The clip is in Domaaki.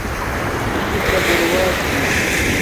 اُو کس تا دورہ چھس